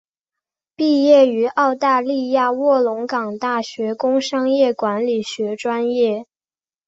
毕业于澳大利亚卧龙岗大学工商管理学专业。